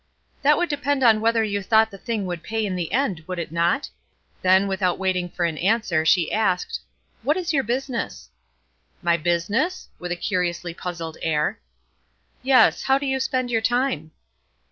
"That would depend on whether you thought the thing would pay in the end, would it not?" Then, without waiting for an answer, she asked "What is your business?" "My business?" with a curiously puzzled air. "Yes; how do you spend your time?"